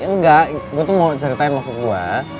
ya enggak gua tuh mau ceritain maksud gua